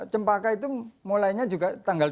sembilan cempaka itu mulainya juga tanggal dua puluh lima